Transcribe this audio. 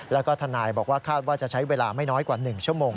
แล้วก็ทนายบอกว่าคาดว่าจะใช้เวลาไม่น้อยกว่า๑ชั่วโมง